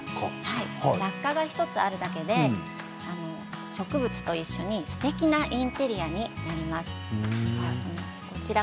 雑貨が１つあるだけで植物と一緒にすてきなインテリアになります。